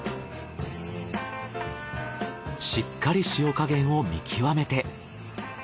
しっかり塩加減を見極めて。